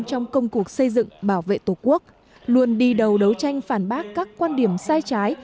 trong công cuộc xây dựng bảo vệ tổ quốc luôn đi đầu đấu tranh phản bác các quan điểm sai trái